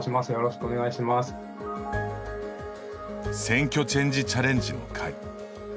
選挙チェンジチャレンジの会。